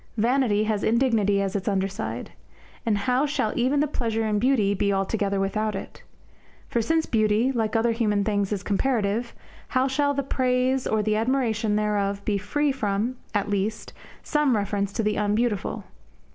Vanity has indignity as its underside. And how shall even the pleasure in beauty be altogether without it? For since beauty, like other human things, is comparative, how shall the praise, or the admiration, thereof be free from (at least) some reference to the unbeautiful?